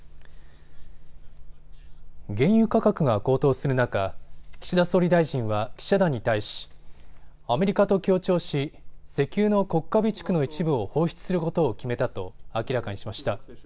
原油価格が高騰する中、岸田総理大臣は記者団に対しアメリカと協調し石油の国家備蓄の一部を放出することを決めたと明らかにしました。